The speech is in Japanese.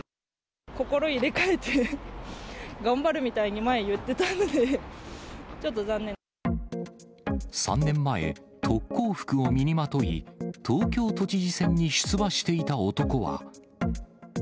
心入れ替えて、頑張るみたいに前、言ってたので、ちょっと残３年前、特攻服を身にまとい、東京都知事選に出馬していた男は。